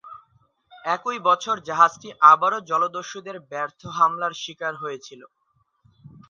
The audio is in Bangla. একই বছর জাহাজটি আবারো জলদস্যুদের ব্যর্থ হামলার শিকার হয়েছিল।